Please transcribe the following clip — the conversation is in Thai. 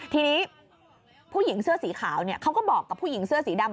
ทีนี้ผู้หญิงเสื้อสีขาวเขาก็บอกกับผู้หญิงเสื้อสีดำ